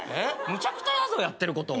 むちゃくちゃやぞやってること。